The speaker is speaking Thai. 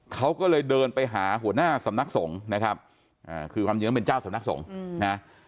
เขาก็เลยเดินไปหาหัวหน้าสำนักสงฆ์นะครับคือความจริงต้องเป็นเจ้าสำนักสงฆ์นะ